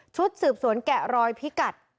ชุดสืบสวนแกะรอยพิกัด